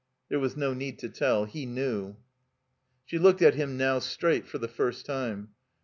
There was no need to tell. He knew. She looked at him now, straight, for the first time.